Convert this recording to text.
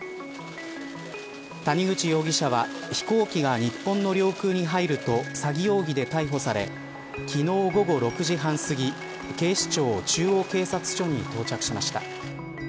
谷口容疑者は飛行機が日本の領空に入ると詐欺容疑で逮捕され昨日、午後６時半すぎ警視庁中央警察署に逮捕されました。